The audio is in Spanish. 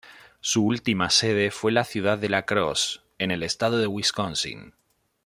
Su última sede fue la ciudad de La Crosse, en el estado de Wisconsin.